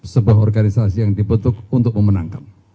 sebuah organisasi yang dibentuk untuk memenangkan